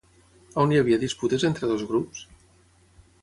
On hi havia disputes entre dos grups?